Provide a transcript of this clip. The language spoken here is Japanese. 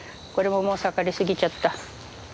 これももう盛り過ぎちゃった。